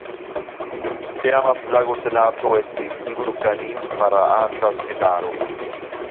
Teama flagotenanto estis "Igor Lukanin" (para arta sketado).